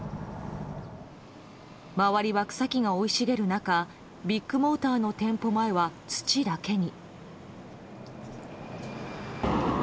周りは草木が生い茂る中ビッグモーターの店舗前は土だけに。